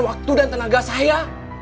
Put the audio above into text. waktu dan tenaga saya